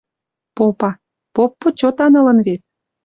Попа: «Поп почетан ылын вет». —